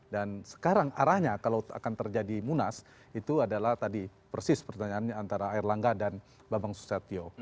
dan sekarang arahnya kalau akan terjadi munas itu adalah tadi persis pertanyaannya antara erlangga dan bapak susatyo